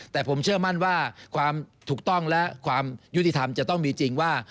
แต่ผมเชื่อมั่นว่าความถูกต้องและความยุติธรรมจะต้องมีจริงว่า